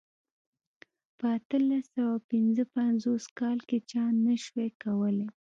په اتلس سوه پنځه پنځوس کال کې چا نه شوای کولای.